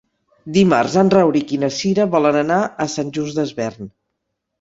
Dimarts en Rauric i na Cira volen anar a Sant Just Desvern.